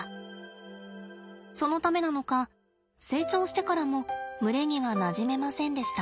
そのためなのか成長してからも群れにはなじめませんでした。